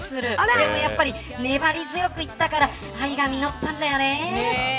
でも粘り強くいったから愛が実ったんだよね。